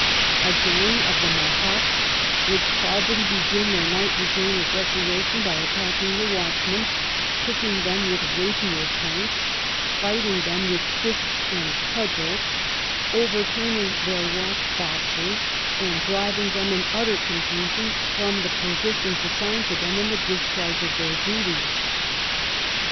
A gang of the Mohocks would probably begin their nightly game of recreation by attacking the watch men, pricking them with rapier points, fighting them with fists and cudgels, overturning their watch boxes, and driving them in utter confusion from the positions assigned to them in the discharge of their duties.